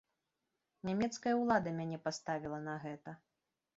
Нямецкая ўлада мяне паставіла на гэта.